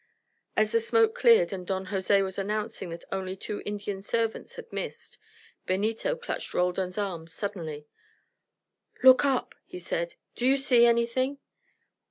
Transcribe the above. As the smoke cleared and Don Jose was announcing that only two Indian servants had missed, Benito clutched Roldan's arm suddenly. "Look up," he said. "Do you see anything?